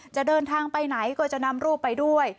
จะเดินทางไปไหนก็จะนำรูปไปด้วย